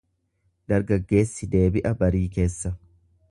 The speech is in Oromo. Dargaggeessi deebi'a barii keessa.